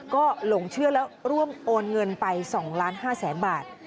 ก็หลงเชื่อแล้วร่วมโอนเงินไป๒๕๐๐๐๐บาท